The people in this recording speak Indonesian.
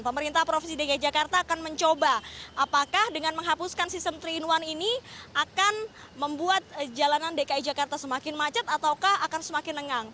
pemerintah provinsi dki jakarta akan mencoba apakah dengan menghapuskan sistem tiga in satu ini akan membuat jalanan dki jakarta semakin macet ataukah akan semakin lengang